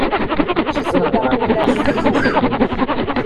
ugakunda nigihugu.